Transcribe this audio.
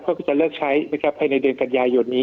ก็จะเลิกใช้นะครับภายในเวทยาหย่อดนี้